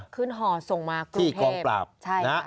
ขึ้นห่อส่งมากรุงเทพฯใช่ค่ะที่กองตาบ